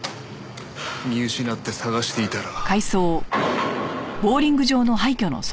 見失って捜していたら。